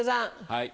はい。